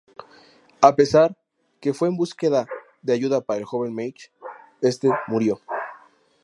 A pesar que fue en búsqueda de ayuda para el joven "Mage", este murió.